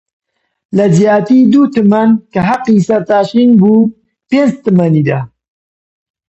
لە جیاتی دوو تمەن -کە حەقی سەرتاشین بووپنج تمەنی دا